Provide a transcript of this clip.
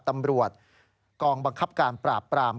ตำรวจกองบังคับการปราบปราม